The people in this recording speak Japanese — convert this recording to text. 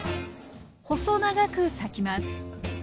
細長く裂きます。